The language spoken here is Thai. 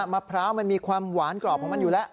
มะพร้าวมันมีความหวานกรอบของมันอยู่แล้ว